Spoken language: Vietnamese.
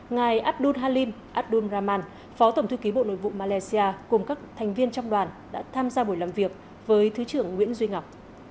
ngài abdul halim abdul rahman phó tổng thư ký bộ nội vụ malaysia cùng các thành viên trong đoàn đã tham gia buổi làm việc với thứ trưởng nguyễn duy ngọc